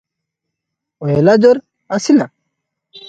ଅଏଁଲାଯୋର ଆସିଲା?